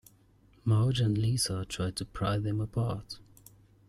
Marge and Lisa try to pry them apart.